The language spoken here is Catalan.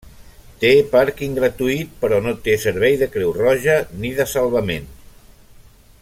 Té pàrquing gratuït, però no té servei de creu roja ni de salvament.